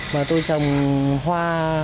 mà tôi trồng hoa